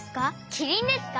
キリンですか？